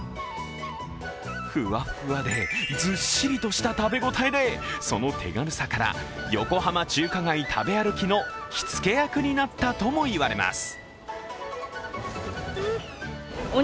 ふわふわでずっしりとした食べ応えで、その手軽さから、横浜中華街食べ歩きの火付け役になったとも言われます。